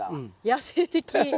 野性的。